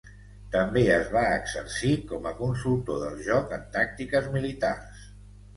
També es va exercir com a consultor del joc en tàctiques militars.